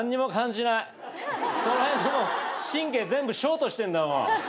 その辺神経全部ショートしてんだもう。